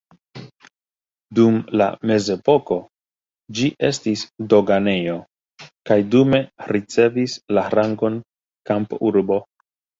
Dum la mezepoko ĝi estis doganejo kaj dume ricevis la rangon kampurbo.